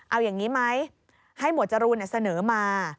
เอาอย่างนี้ไหมให้หมวดจรูนเสนอมา